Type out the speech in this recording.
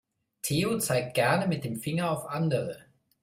Theo zeigt gerne mit dem Finger auf andere.